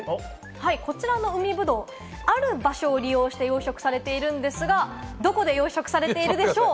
こちらの海ぶどう、ある場所を利用して養殖されているんですが、どこで養殖されているでしょうか？